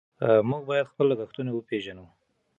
موږ باید خپل لګښتونه وپېژنو.